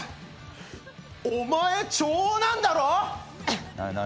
お前、長男だろ！